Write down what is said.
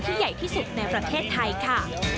ใหญ่ที่สุดในประเทศไทยค่ะ